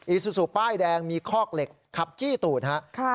ซูซูป้ายแดงมีคอกเหล็กขับจี้ตูดฮะ